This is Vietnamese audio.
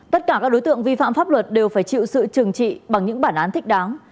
tất cả các đối tượng vi phạm pháp luật đều phải chịu sự trừng trị bằng những bản án thích đáng